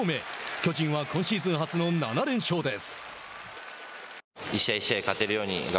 巨人は今シーズン初の７連勝です。